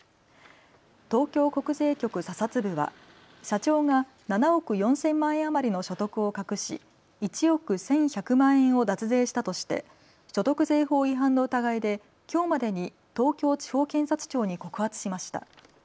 東京国税局査察部は社長が７億４０００万円余りの所得を隠し、１億１１００万円を脱税したとして所得税法違反の疑いできょうまでに東京地方検察庁に告発しました。